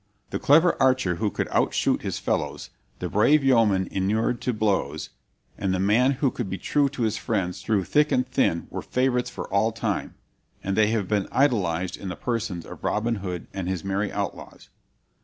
The clever archer who could outshoot his fellows, the brave yeoman inured to blows, and the man who could be true to his friends through thick and thin were favorites for all time; and they have been idealized in the persons of Robin Hood and his merry outlaws.